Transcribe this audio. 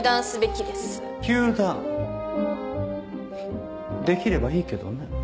糾弾できればいいけどね。